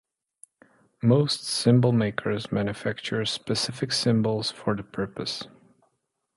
Most cymbal makers manufacture specific cymbals for the purpose.